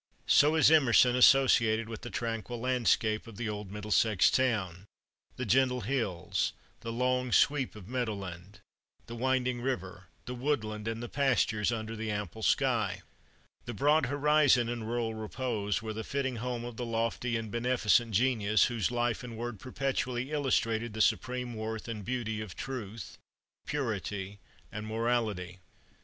So is Emerson associated with the tranquil landscape of the old Middlesex town the gentle hills, the long sweep of meadowland, the winding river, the woodland, and the pastures under the ample sky. The broad horizon and rural repose were the fitting home of the lofty and beneficent genius whose life and word perpetually illustrated the supreme worth and beauty of truth, purity, and morality.